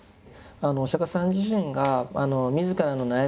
お釈迦様自身が自らの悩み